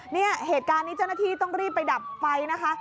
เนี่ยเหตุการณ์นี้เจ้าหน้าที่ต้องรีบไปดับไฟนะคะ